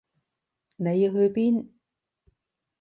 你要去邊？